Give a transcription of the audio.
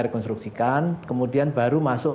rekonstruksikan kemudian baru masuk